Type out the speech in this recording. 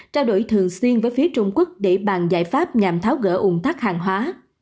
trao đổi thường xuyên với phía trung quốc để bàn giải pháp nhằm tháo gỡ ủng thắc hàng hóa